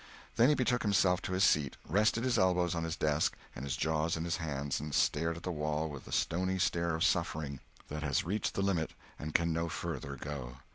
Then he betook himself to his seat, rested his elbows on his desk and his jaws in his hands, and stared at the wall with the stony stare of suffering that has reached the limit and can no further go.